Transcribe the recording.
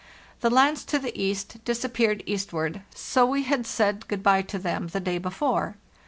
The lands to the east disappeared eastward, so we had said good bye to them the day before.